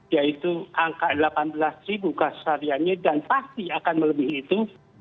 yaitu angka delapan belas ribu kasus hariannya dan pasti akan melebihi itu